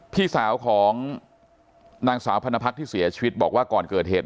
พี่สาวของนางสาวพนภักษ์ที่เสียชีวิตบอกว่าก่อนเกิดเหตุ